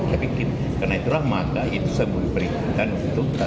saya pikir karena itulah maka itu sebagai peringkatan untuk kita